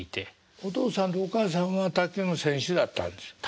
お父さんとお母さんは卓球の選手だったんですか？